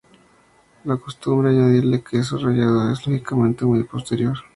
La costumbre de añadirle queso rallado es, lógicamente, muy posterior.